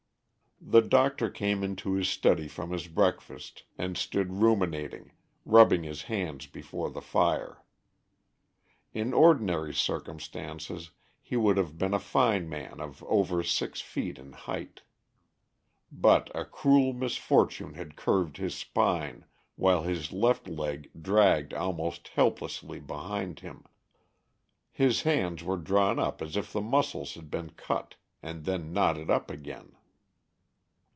The doctor came into his study from his breakfast, and stood ruminating, rubbing his hands before the fire. In ordinary circumstances he would have been a fine man of over six feet in height. But a cruel misfortune had curved his spine, while his left leg dragged almost helplessly behind him, his hands were drawn up as if the muscles had been cut and then knotted up again.